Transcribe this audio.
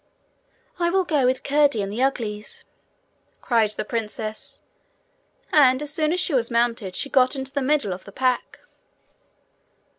'I will go with Curdie and the Uglies,' cried the princess; and as soon as she was mounted she got into the middle of the pack.